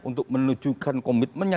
untuk menunjukkan komitmennya